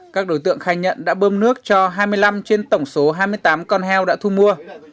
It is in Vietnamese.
các đối tượng khai nhận đã bơm nước cho hai mươi năm trên tổng số hai mươi tám con heo đã thu mua